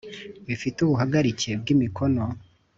bi te ubuhagarike bw imikono